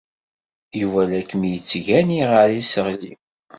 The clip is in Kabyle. Yuba la kem-yettgani ɣer yiseɣli.